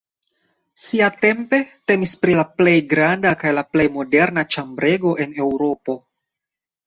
Siatempe temis pri la plej granda kaj la plej moderna ĉambrego en Eŭropo.